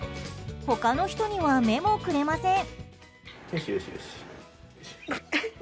他の人には目もくれません。